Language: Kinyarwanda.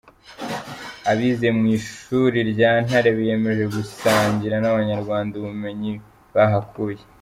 Abize muri Mw’ishuri Rya Ntare biyemeje gusangira n’Abanyarwanda ubumenyi bahakuye